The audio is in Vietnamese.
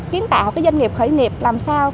kiến tạo cái doanh nghiệp khởi nghiệp làm sao